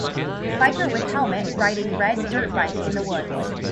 Biker with helmet riding red dirt bike in the woods.